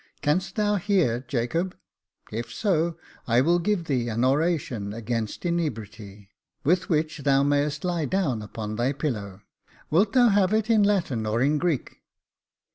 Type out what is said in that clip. Canst thou hear, Jacob ? if so, I will give thee an oration against inebriety, with which thou mayest lie down on thy pillow. Wilt thou have it in Latin or in Greek